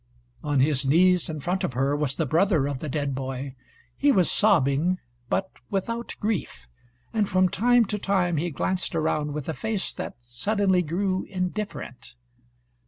On his knees in front of her was the brother of the dead boy; he was sobbing, but without grief, and from time to time he glanced around with a face that suddenly grew indifferent.